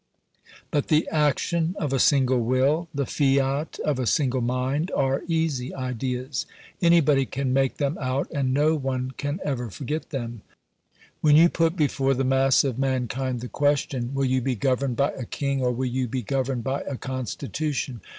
But the action of a single will, the fiat of a single mind, are easy ideas: anybody can make them out, and no one can ever forget them. When you put before the mass of mankind the question, "Will you be governed by a king, or will you be governed by a constitution?"